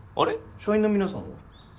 社員の皆さんは？